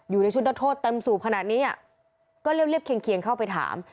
อยู่ในชุดนักโทษเต็มสูบขนาดนี้อ่ะก็เรียบเคียงเข้าไปถาม